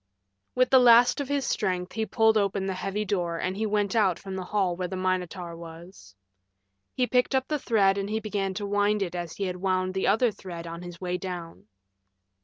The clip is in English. With the last of his strength he pulled open the heavy door and he went out from the hall where the Minotaur was. He picked up the thread and he began to wind it as he had wound the other thread on his way down.